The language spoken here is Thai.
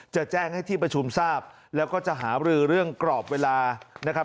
จะแจ้งให้ที่ประชุมทราบแล้วก็จะหาบรือเรื่องกรอบเวลานะครับ